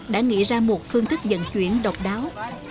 đã nghĩ ra một phương thức dẫn chuyển độc đáo